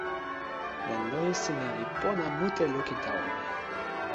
len loje sina li pona mute lukin tawa mi.